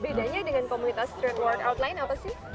bedanya dengan komunitas street world out lain apa sih